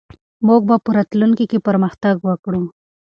موږ به په راتلونکي کې پرمختګ وکړو.